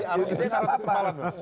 jadi arus besar atau sempalan